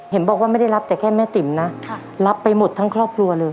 เห็นบอกว่าไม่ได้รับแต่แค่แม่ติ๋มนะรับไปหมดทั้งครอบครัวเลย